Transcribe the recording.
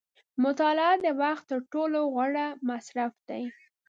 • مطالعه د وخت تر ټولو غوره مصرف دی.